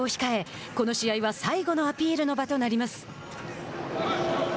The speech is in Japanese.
この試合は最後のアピールの場となります。